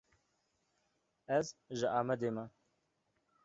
Ez ji Amedê me.